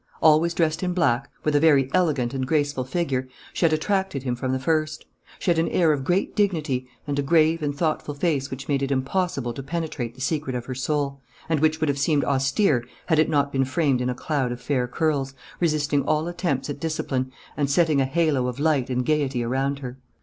Always dressed in black, with a very elegant and graceful figure, she had attracted him from the first. She had an air of great dignity and a grave and thoughtful face which made it impossible to penetrate the secret of her soul, and which would have seemed austere had it not been framed in a cloud of fair curls, resisting all attempts at discipline and setting a halo of light and gayety around her.